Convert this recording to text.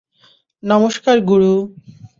নমস্কার, গুরু।